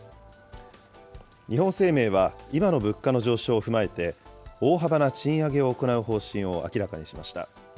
日本生命は、今の物価の上昇を踏まえて、大幅な賃上げを行う方針を明らかにしました。